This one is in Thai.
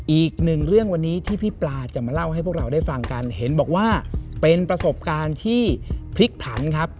อีกหนึ่งเรื่องวันนี้ที่พี่ปลาจะมาเล่าให้พวกเราได้ฟังกันเห็นบอกว่าเป็นประสบการณ์ที่พลิกผันครับ